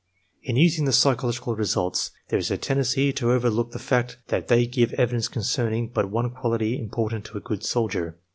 In using the psychological results there is a tendency to over look the fact that they give evidence concerning but one quality important in a good soldier.